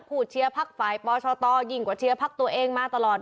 ผู้เชียร์ภักดิ์ฝ่ายปชตยิ่งกว่าเชียร์ภักดิ์ฟักดิ์ตัวเองมาตลอด